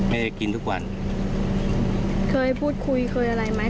แม่กินทุกวันเคยพูดคุยเคยอะไรไหม